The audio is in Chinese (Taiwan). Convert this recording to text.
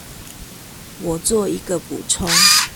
我作一個補充